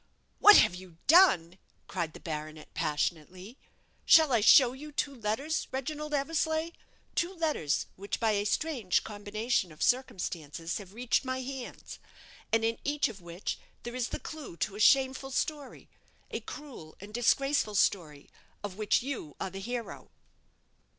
"What have you done!" cried the baronet, passionately. "Shall I show you two letters, Reginald Eversleigh two letters which, by a strange combination of circumstances, have reached my hands; and in each of which there is the clue to a shameful story a cruel and disgraceful story, of which you are the hero?"